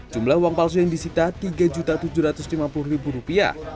jumlah uang palsu yang disita rp tiga tujuh ratus lima puluh